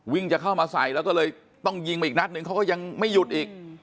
จะเข้ามาใส่แล้วก็เลยต้องยิงไปอีกนัดนึงเขาก็ยังไม่หยุดอีก